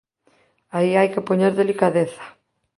Aí hai que poñer delicadeza.